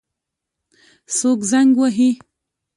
څوک زنګ وهي؟